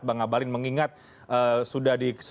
bang abalin mengingat sudah disetujui juga